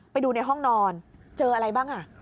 ไปดูในห้องนอนเจออะไรบ้างอ่ะ